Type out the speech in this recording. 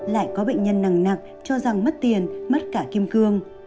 lại có bệnh nhân nặng cho rằng mất tiền mất cả kim cương